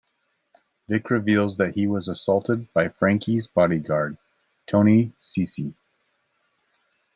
Vic reveals that he was assaulted by Frankie's bodyguard, Tony Cicci.